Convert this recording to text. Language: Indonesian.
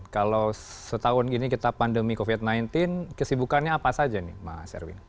kalau setahun gini kita pandemi covid sembilan belas kesibukannya apa saja nih mas erwin